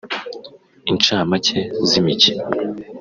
incamake z’imikino